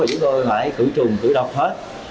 chúng tôi phải thử trùng thử đọc hết